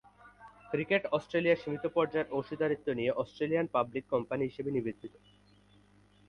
Cricket Australia সীমিত পর্যায়ের অংশীদারত্ব নিয়ে অস্ট্রেলিয়ান পাবলিক কোম্পানী হিসেবে নিবন্ধিত।